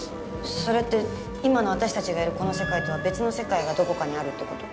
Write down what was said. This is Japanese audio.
それって今の私たちがいるこの世界とは別の世界がどこかにあるってこと？